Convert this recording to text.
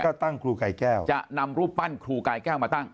ก็ตั้งครูกายแก้วจะนำรูปปั้นครูกายแก้วมาตั้ง